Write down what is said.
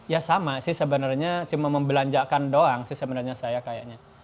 ya sama sih sebenarnya cuma membelanjakan doang sih sebenarnya saya kayaknya